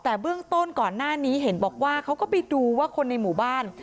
แต่เบื้องต้นก่อนหน้านี้เห็นบอกว่าเขาก็ไปดูว่าคนในหมู่บ้าน